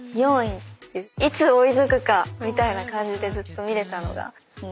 いつ追い抜くか⁉みたいな感じでずっと見れたのが。